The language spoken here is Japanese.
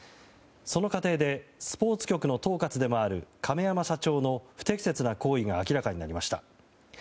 その過程でスポーツ局の統括でもある亀山社長の不適切な行為が明らかになりました。